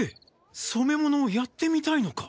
そめ物をやってみたいのか？